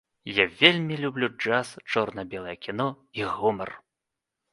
Я вельмі люблю джаз, чорна-белае кіно і гумар.